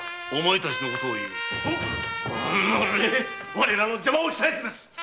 われらの邪魔をしたやつです！